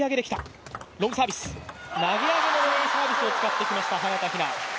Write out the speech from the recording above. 投げ上げのロングサーブを使ってきました、早田ひな。